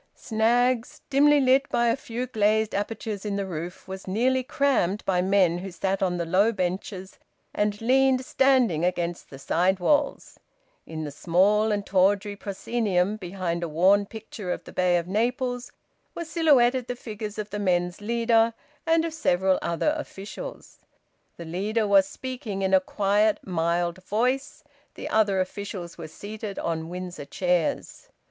Snaggs', dimly lit by a few glazed apertures in the roof, was nearly crammed by men who sat on the low benches and leaned standing against the sidewalls. In the small and tawdry proscenium, behind a worn picture of the Bay of Naples, were silhouetted the figures of the men's leader and of several other officials. The leader was speaking in a quiet, mild voice, the other officials were seated on Windsor chairs.